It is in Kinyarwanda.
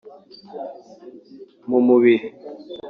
mu mubiri